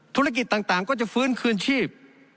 ธุรกิจต่างก็จะฟื้นคืนชีพ